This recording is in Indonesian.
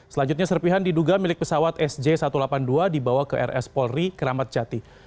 selanjutnya serpihan diduga milik pesawat sj satu ratus delapan puluh dua dibawa ke rs polri keramat jati